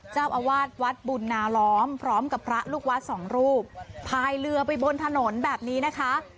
เจ้าอาวาสวัดบุญนาล้อมพร้อมกับพระลูกวัดสองรูปพายเรือไปบนถนนแบบนี้นะคะ